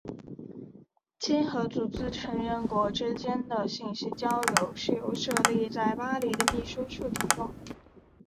经合组织成员国之间的信息交流是由设立在巴黎的秘书处提供的。